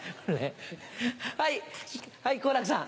はい好楽さん。